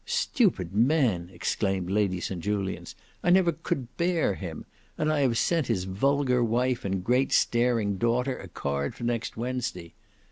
"Stupid man!" exclaimed Lady St Julians; "I never could bear him. And I have sent his vulgar wife and great staring daughter a card for next Wednesday!